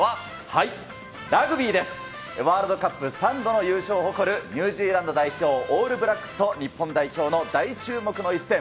ワールドカップ３度の優勝を誇るニュージーランド代表、オールブラックスと日本代表の大注目の一戦。